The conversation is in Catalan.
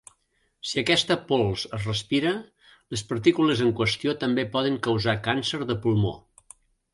Si aquesta pols es respira, les partícules en qüestió també poden causar càncer de pulmó.